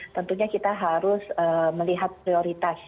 tentunya kita harus melihat prioritas